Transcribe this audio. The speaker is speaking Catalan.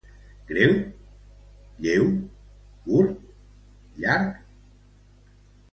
Greu? lleu? curt? llarg?